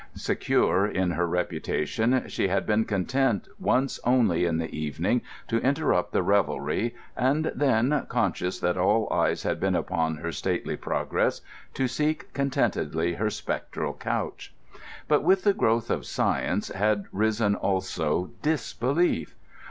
Secure in her reputation, she had been content once only in the evening to interrupt the revelry, and then, conscious that all eyes had been upon her stately progress, to seek contentedly her spectral couch. But with the growth of science had risen also disbelief.